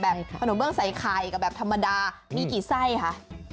ขนมเบื้องใส่ไข่กับแบบธรรมดามีกี่ไส้คะ